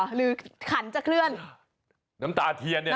หรือขันจะเคลื่อนน้ำตาเทียนเนี่ย